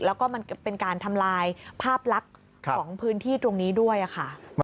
แล้วก็มันเป็นการทำลายภาพลักษณ์ของพื้นที่ตรงนี้ด้วยค่ะ